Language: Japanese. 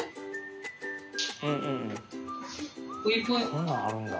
こんなんあるんだ。